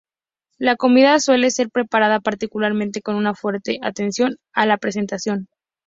La comida suele ser preparada particularmente con una fuerte atención a la presentación.